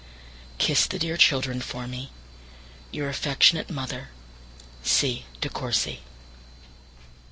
Kiss the dear children for me. Your affectionate mother, C. DE COURCY.